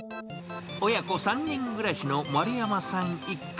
親子３人暮らしの丸山さん一家。